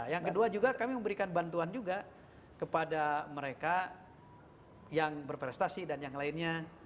yang kedua juga kami memberikan bantuan juga kepada mereka yang berprestasi dan yang lainnya